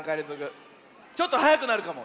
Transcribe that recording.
ちょっとはやくなるかも。